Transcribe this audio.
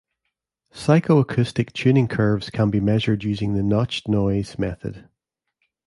Psychoacoustic tuning curves can be measured using the notched-noise method.